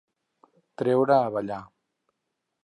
Treure a ballar.